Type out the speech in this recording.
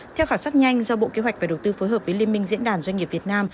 theo khảo sát nhanh do bộ kế hoạch và đầu tư phối hợp với liên minh diễn đàn doanh nghiệp việt nam